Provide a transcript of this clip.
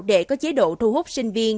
để có chế độ thu hút sinh viên